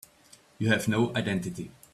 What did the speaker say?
You have no identity.